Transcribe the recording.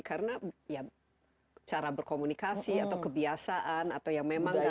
karena ya cara berkomunikasi atau kebiasaan atau yang memang karena